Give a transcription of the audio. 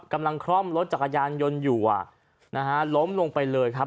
คล่อมรถจักรยานยนต์อยู่อ่ะนะฮะล้มลงไปเลยครับ